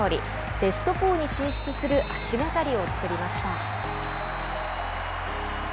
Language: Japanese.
ベスト４に進出する足がかりを作りました。